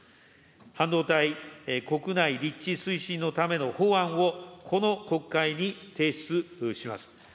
半導体国内立地推進のための法案を、この国会に提出します。